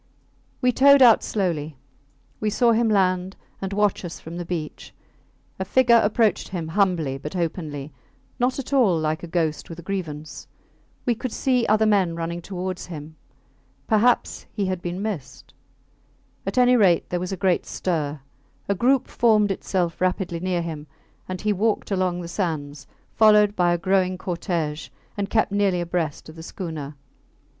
We towed out slowly. We saw him land and watch us from the beach. A figure approached him humbly but openly not at all like a ghost with a grievance. We could see other men running towards him. Perhaps he had been missed? At any rate there was a great stir. A group formed itself rapidly near him, and he walked along the sands, followed by a growing cortege and kept nearly abreast of the schooner.